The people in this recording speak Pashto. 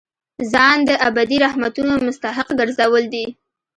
ځان د ابدي رحمتونو مستحق ګرځول دي.